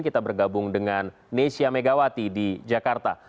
kita bergabung dengan nesya megawati di jakarta